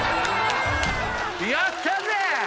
やったぜ！